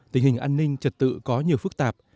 tình hình an ninh trật tự có nhiều phức tạp